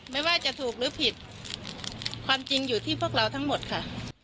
ไม่ว่าจะถูกหรือผิดความจริงอยู่ที่พวกเราทั้งหมดค่ะ